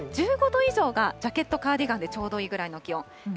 １５度以上が、ジャケット、カーディガンでちょうどいいぐらいの気温。